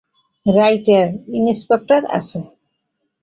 Writer, inspector আছে?